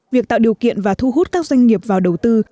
việc tạo điều kiện và thu hút các doanh nghiệp vào đầu tư